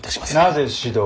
なぜ指導を？